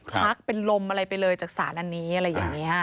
ชักเป็นลมอะไรไปเลยจากสารอันนี้อะไรอย่างนี้